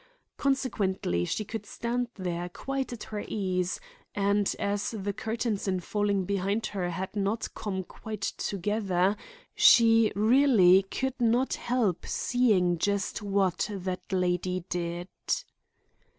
Consequently, she could stand there quite at her ease, and, as the curtains in falling behind her had not come quite together, she really could not help seeing just what that lady did.